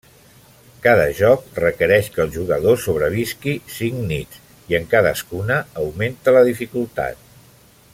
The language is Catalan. Cada joc requereix que el jugador sobrevisqui cinc nits, i en cadascuna augmenta la dificultat.